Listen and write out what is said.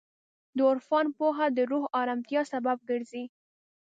د عرفان پوهه د روح ارامتیا سبب ګرځي.